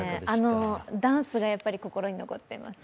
ダンスがやっぱり心に残っています。